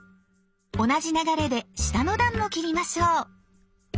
同じ流れで下の段も切りましょう。